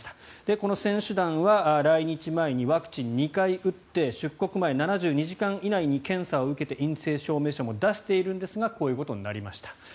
この選手団は来日前にワクチンを２回打って出国前７２時間以内に検査を受けて陰性証明書も出しているんですがこういうことになりました。